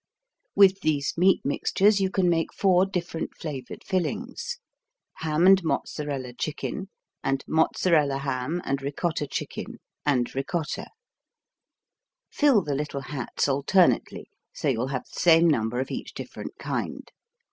With these meat mixtures you can make four different flavored fillings: Ham and Mozzarella Chicken and Mozzarella Ham and Ricotta Chicken and Ricotta Fill the little hats alternately, so you'll have the same number of each different kind.